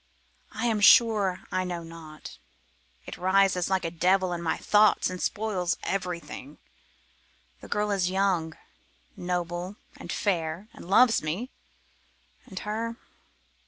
I am sure I know not. It rises like a devil in my thoughts, and spoils everything. The girl is young, noble, and fair, and loves me. And her?